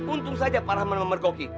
untung saja pak rahman memergoki